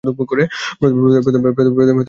প্রথমে একটা রিং দিয়ে লাফ দেয়।